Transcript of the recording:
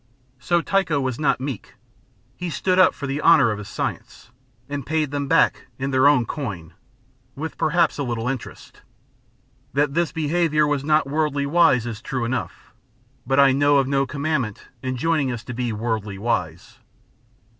So Tycho was not meek; he stood up for the honour of his science, and paid them back in their own coin, with perhaps a little interest. That this behaviour was not worldly wise is true enough, but I know of no commandment enjoining us to be worldly wise.